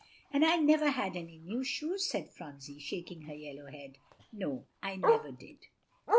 "And I never had any new shoes," said Phronsie, shaking her yellow head. "No, I never did."